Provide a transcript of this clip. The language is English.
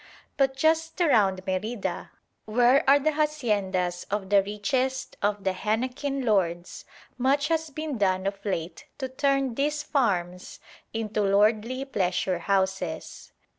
But just around Merida, where are the haciendas of the richest of the henequen lords, much has been done of late to turn these farms into lordly pleasure houses.